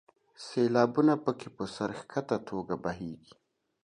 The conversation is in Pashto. سیلابونه په کې په سر ښکته توګه بهیږي.